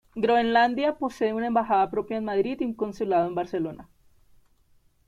Groenlandia posee una embajada propia en Madrid y un consulado en Barcelona.